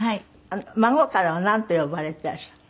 孫からはなんて呼ばれていらっしゃるの？